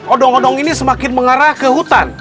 odong odong ini semakin mengarah ke hutan